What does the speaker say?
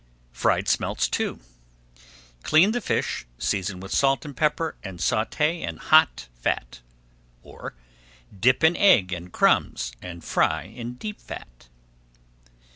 FRIED SMELTS II Clean the fish, season with salt and pepper, and sauté in hot fat. Or, dip in egg and crumbs and fry in deep fat.